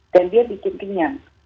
dan dia bikin kenyang